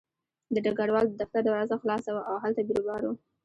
د ډګروال د دفتر دروازه خلاصه وه او هلته بیروبار و